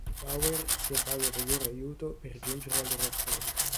Bower si avvale del loro aiuto per giungere al reattore.